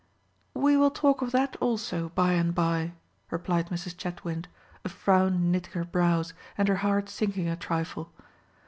"We will talk of that also by and by," replied Mrs. Chetwynd, a frown knitting her brows, and her heart sinking a trifle.